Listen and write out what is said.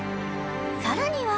［さらには］